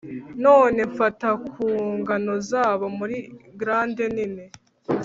noneho mfata ku ngano zabo muri glade nini,